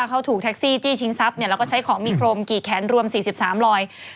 เขาถูกแท็กซี่จี้ชิงทรัพย์แล้วก็ใช้ของมีโครมกี่แขนรวม๔๓รอย